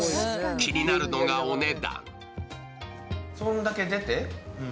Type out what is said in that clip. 気になるのがお値段。